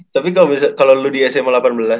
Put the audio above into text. tapi kalau lu di sma delapan belas